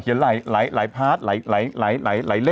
เขียนหลายหลายพาร์ทหลายเล่มอะไรอย่างนี้